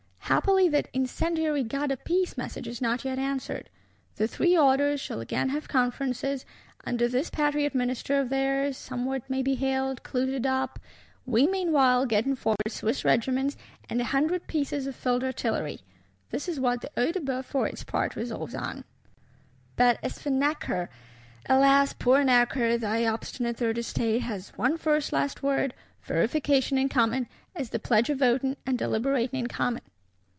Happily that incendiary "God of Peace" message is not yet answered. The Three Orders shall again have conferences; under this Patriot Minister of theirs, somewhat may be healed, clouted up;—we meanwhile getting forward Swiss Regiments, and a "hundred pieces of field artillery." This is what the Œil de Bœuf, for its part, resolves on. But as for Necker—Alas, poor Necker, thy obstinate Third Estate has one first last word, verification in common, as the pledge of voting and deliberating in common!